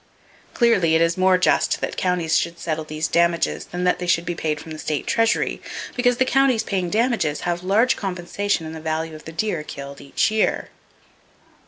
Clearly, it is more just that counties should settle these damages than that they should be paid from the state treasury, because the counties paying damages have large compensation in the value of the deer killed each year.